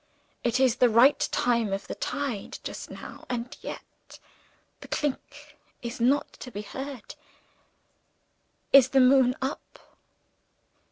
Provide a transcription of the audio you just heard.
It is the right time of the tide, just now and yet, 'the clink' is not to be heard. Is the moon up?"